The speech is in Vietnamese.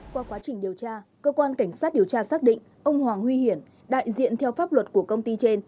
qua quá trình điều tra cơ quan cảnh sát điều tra xác định ông hoàng huy hiển đại diện theo pháp luật của công ty trên